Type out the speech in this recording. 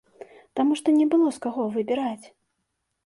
Таму што не было, з каго выбіраць.